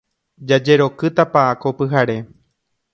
Jajerokýtapa ko pyhare.